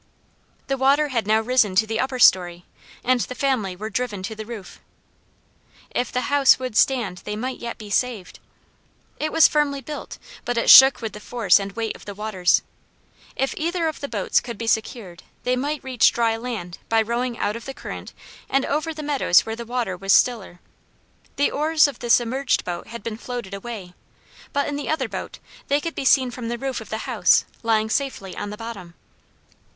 The water had now risen to the upper story, and the family were driven to the roof. If the house would stand they might yet be saved. It was firmly built but it shook with the force and weight of the waters. If either of the boats could be secured they might reach dry land by rowing out of the current and over the meadows where the water was stiller. The oars of the submerged boat had been floated away, but in the other boat they could be seen from the roof of the house lying safely on the bottom.